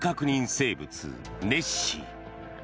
生物、ネッシー。